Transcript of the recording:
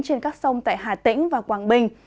trên các sông tại hà tĩnh và quảng bình